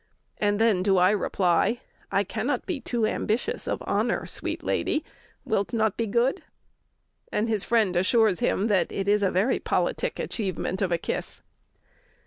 And then do I reply: 'I cannot be too Ambitious of Honor, sweet lady. Will't not be good?'" And his friend assures him that it is "a very politic achievement of a kiss."